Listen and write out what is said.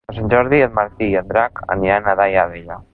Per Sant Jordi en Martí i en Drac aniran a Daia Vella.